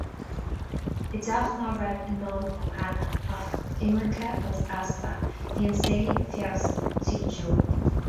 I dteach nach raibh i ndán dó cheana ach imirce agus easpa, bhí an saol ag feabhsú tigh Joe.